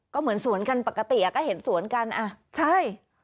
ก็เหมือนสวนกันปกติก็เห็นสวนกันอ่ะใช่